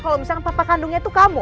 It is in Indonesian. kalau misalnya papa kandungnya tuh kamu